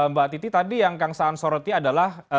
mbak titi tadi yang kang saan soroti adalah